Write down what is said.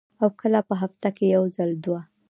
او کله پۀ هفته کښې یو ځل دوه ـ